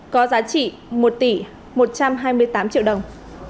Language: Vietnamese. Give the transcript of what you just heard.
có giá trị một tỷ một trăm hai mươi tám triệu đồng